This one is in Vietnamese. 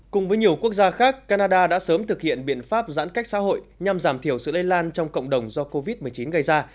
cùng với nhiều quốc gia khác canada đã sớm thực hiện biện pháp giãn cách xã hội nhằm giảm thiểu sự lây lan trong cộng đồng do covid một mươi chín gây ra